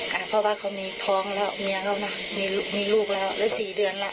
เพราะว่าเขามีท้องแล้วเมียแล้วนะมีลูกแล้วแล้ว๔เดือนแล้ว